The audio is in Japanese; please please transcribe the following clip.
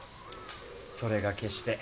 それが決して。